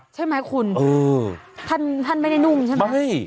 ใช่ไหมคุณท่านไม่ได้นุ่งใช่ไหม